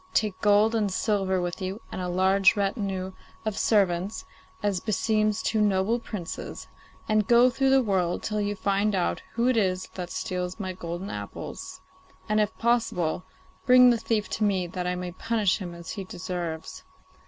Take gold and silver with you, and a large retinue of servants, as beseems two noble princes, and go through the world till you find out who it is that steals my golden apples, and, if possible, bring the thief to me that I may punish him as he deserves.